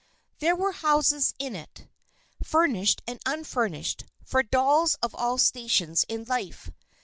There were houses in it, furnished and unfurnished, for dolls of all stations in life.